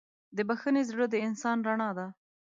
د بښنې زړه د انسان رڼا ده.